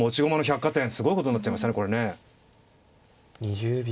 ２０秒。